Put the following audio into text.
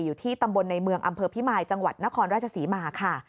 อยู่ที่ตำบลในเมืองอำเภอพิมายจังหวัดนครราชศรีมาค่ะ